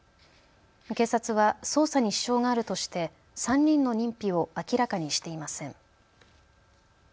警察は捜査に支障があるとして３人の認否を明らかにしていません。